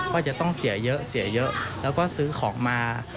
ว่าจะต้องเสียเยอะแล้วก็ซื้อของมา